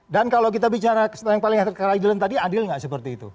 dan kalau kita bicara yang paling adil tadi adil gak seperti itu